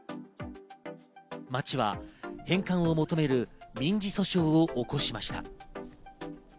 町は返還を求める民事訴訟を起こしました。